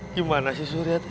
gimana sih surya teh